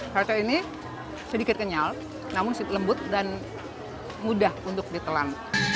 rasanya sedikit kenyal namun lembut dan mudah untuk ditelan